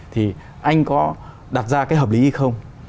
thì anh có đặt ra cái hợp lý không